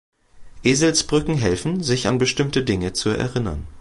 Eselsbrücken helfen, sich an bestimmte Dinge zu erinnern.